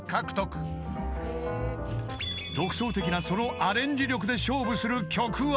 ［独創的なそのアレンジ力で勝負する曲は］